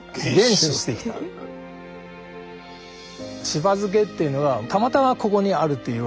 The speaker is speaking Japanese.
しば漬けっていうのはたまたまここにあるっていうわけではなくて